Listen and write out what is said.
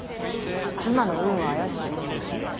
今の「うん」は怪しい。